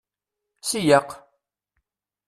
Seyyeq!